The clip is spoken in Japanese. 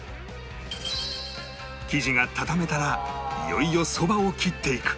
生地が畳めたらいよいよそばを切っていく